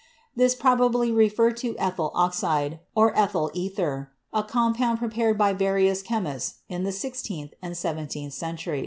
This probably referred to ethyl oxide, or ethyl ether, a compound prepared by various chemists in the sixteenth and seventeenth centuries.